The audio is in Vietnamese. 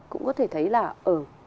cũng có thể thấy là ở